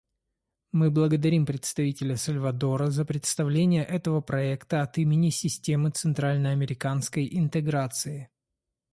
Мы благодарим представителя Сальвадора за представление этого проекта от имени Системы центральноамериканской интеграции.